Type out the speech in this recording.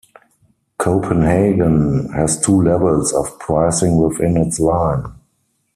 Copenhagen has two levels of pricing within its line.